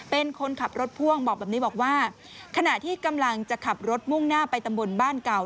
เป็นคนขับรถพ่วงบอกแบบนี้บอกว่าขณะที่กำลังจะขับรถมุ่งหน้าไปตำบลบ้านเก่า